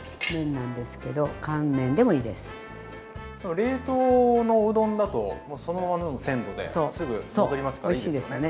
冷凍のうどんだとそのままの鮮度ですぐ戻りますからいいですよね。